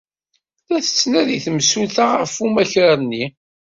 La tettnadi temsulta ɣef umakar-nni.